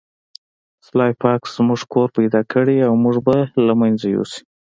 سلای فاکس زموږ کور پیدا کړی او موږ به له منځه یوسي